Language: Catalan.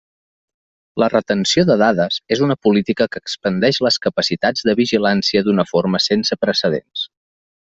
La retenció de dades és una política que expandeix les capacitats de vigilància d'una forma sense precedents.